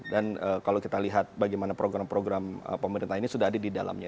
dan kalau kita lihat bagaimana program program pemerintah ini sudah ada di dalamnya